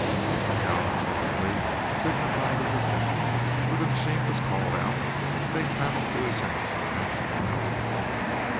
Mr. Kalvin evidently signified his assent, for the machine was called out and they traveled to his house, perhaps a mile away.